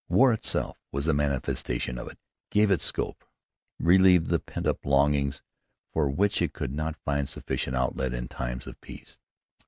War itself was a manifestation of it, gave it scope, relieved the pent up longings for it which could not find sufficient outlet in times of peace.